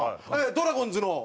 ドラゴンズの結構。